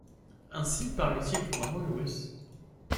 Ainsi parle-t-il couramment le russe.